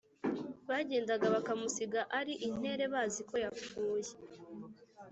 bagendana bakamusiga ari intere bazi ko yapfuye